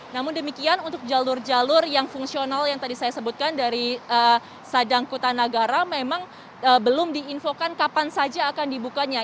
namun demikian untuk jalur jalur yang fungsional yang tadi saya sebutkan dari sadang kuta nagara memang belum diinfokan kapan saja akan dibukanya